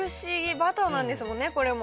バターなんですもんねこれも。